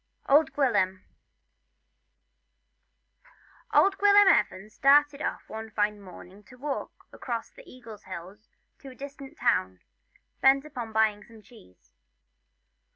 OLD GWILYM. OLD Gwilym Evans started off one fine morning to walk across the Eagle Hills to a distant town, bent upon buying some cheese.